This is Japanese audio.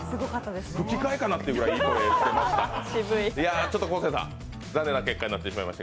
吹き替えかなっていうくらいいい声してました。